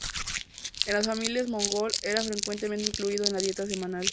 En las familias mogol era frecuentemente incluido en la dieta semanal.